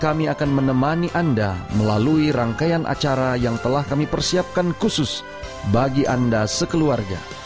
kami akan menemani anda melalui rangkaian acara yang telah kami persiapkan khusus bagi anda sekeluarga